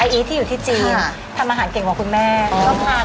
อีทที่อยู่ที่จีนทำอาหารเก่งกว่าคุณแม่